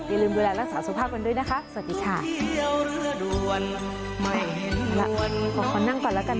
อย่าลืมดูแลรักษาสุขภาพกันด้วยนะคะสวัสดีค่ะ